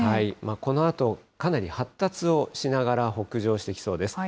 このあとかなり発達をしながら北上していきそうです。